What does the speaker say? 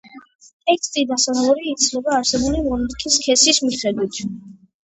ტექსტი და სათაური იცვლება არსებული მონარქის სქესის მიხედვით.